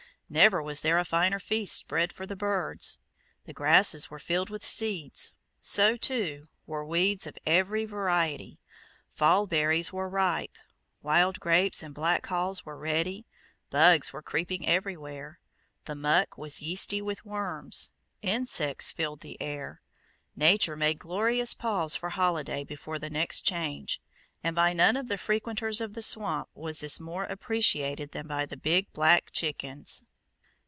Never was there a finer feast spread for the birds. The grasses were filled with seeds: so, too, were weeds of every variety. Fall berries were ripe. Wild grapes and black haws were ready. Bugs were creeping everywhere. The muck was yeasty with worms. Insects filled the air. Nature made glorious pause for holiday before her next change, and by none of the frequenters of the swamp was this more appreciated than by the big black chickens.